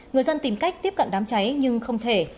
người dân tìm cách tiếp cận đám cháy nhưng không thể